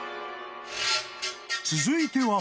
［続いては］